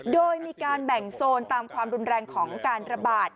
โดยมีการแบ่งโซนตามความรุนแรงของการระบาด